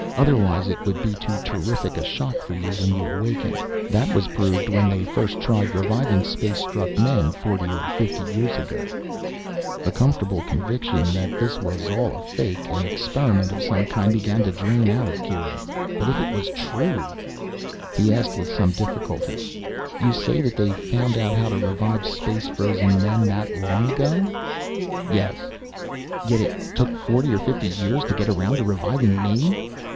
Otherwise, it would be too terrific a shock for you when you awakened. That was proved when they first tried reviving space struck men, forty or fifty years ago." The comfortable conviction that this was all a fake, an experiment of some kind, began to drain out of Kieran. But if it was true He asked, with some difficulty, "You say that they found out how to revive space frozen men, that long ago?" "Yes." "Yet it took forty or fifty years to get around to reviving me?"